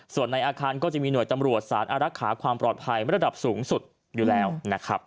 ส่วนในอาคารก็จะมีหน่วยตำรวจสารอารักษาความปลอดภัยระดับสูงสุดอยู่แล้วนะครับ